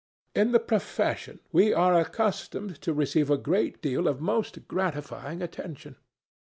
In the profession we are accustomed to receive a great deal of most gratifying attention.